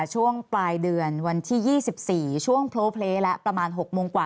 ช่วงปลายเดือนวันที่๒๔ช่วงโพลเพลย์แล้วประมาณ๖โมงกว่า